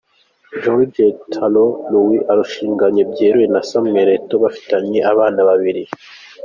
Georgette Tra Lou arushinganye byeruye na Samuel Eto’o bafitanye abana babiri.